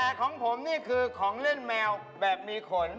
แต่ของผมนี่คือของเล่นแมวแบบมีขน